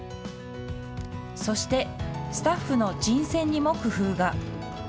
そしてスタッフの人選にも工夫が。